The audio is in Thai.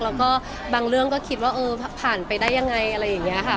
แล้วก็บางเรื่องก็คิดว่าเออผ่านไปได้ยังไงอะไรอย่างนี้ค่ะ